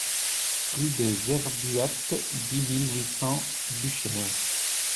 Rue des Herbuates, dix mille huit cents Buchères